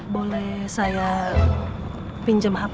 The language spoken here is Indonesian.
boleh saya pinjem hp